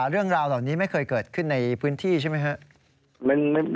เรื่องราวเหล่านี้ไม่เคยเกิดขึ้นในพื้นที่ใช่ไหมครับ